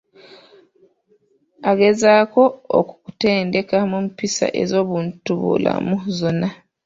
Agezaako okukutendeka mu mpisa ez'obuntubulamu zonna.